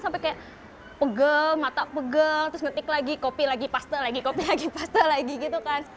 sampai kayak pegel mata pegel terus ngetik lagi kopi lagi pasta lagi kopi lagi pasta lagi gitu kan